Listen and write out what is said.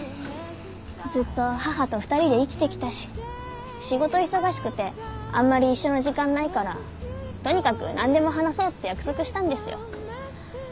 ずっと母と二人で生きてきたし仕事忙しくてあんまり一緒の時間ないからとにかく何でも話そうって約束したんですよ。